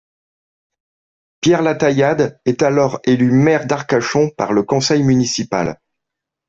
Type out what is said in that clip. Pierre Lataillade est alors élu maire d'Arcachon par le conseil municipal.